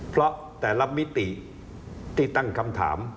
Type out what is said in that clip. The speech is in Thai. เพราะแต่ละมิติที่ตั้งคำถาม